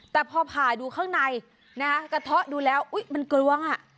แต่พอผ่าดูข้างในนะฮะกระเทาะดูแล้วอุ๊ยมันกลวงอ่ะ